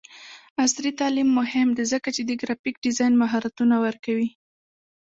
عصري تعلیم مهم دی ځکه چې د ګرافیک ډیزاین مهارتونه ورکوي.